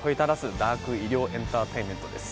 ダーク医療エンターテインメントです。